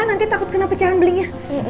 nanti takut kena pecahan belinya